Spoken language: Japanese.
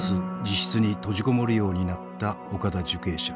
自室に閉じこもるようになった岡田受刑者。